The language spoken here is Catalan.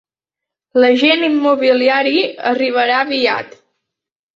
L'agent immobiliari arribarà aviat.